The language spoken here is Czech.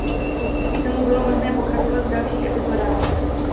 Díky tomu bylo možné pokračovat v dalších epizodách.